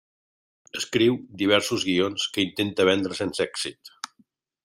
Escriu diversos guions que intenta vendre sense èxit.